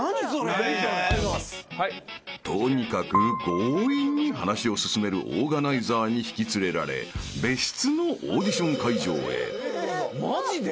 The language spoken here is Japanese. ［とにかく強引に話を進めるオーガナイザーに引き連れられ別室の］えっ？